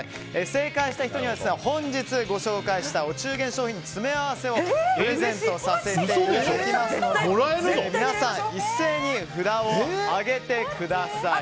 正解した人には本日ご紹介したお中元商品の詰め合わせをプレゼントさせていただきますので皆さん一斉に札を上げてください。